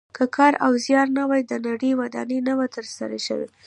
که کار او زیار نه وای د نړۍ ودانۍ نه وه تر سره شوې.